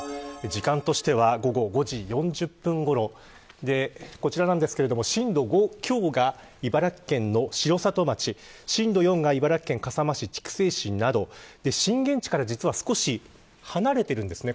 時間としては午後５時４０分ごろ震度５強が、茨城県の城里町震度４は茨城県笠間市筑西市など震源地から少し離れているんですね。